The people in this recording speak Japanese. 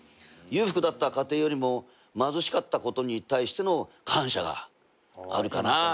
裕福だった家庭よりも貧しかったことに対しての感謝があるかな。